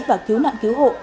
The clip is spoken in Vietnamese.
và cứu nạn cứu hộ